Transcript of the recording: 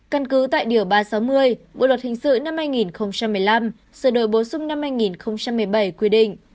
căn cứ tại điều ba trăm sáu mươi bộ luật hình sự năm hai nghìn một mươi năm sửa đổi bổ sung năm hai nghìn một mươi bảy quy định